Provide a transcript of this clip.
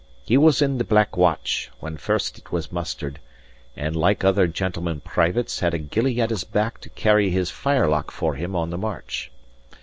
He was in the Black Watch, when first it was mustered; and, like other gentlemen privates, had a gillie at his back to carry his firelock for him on the march.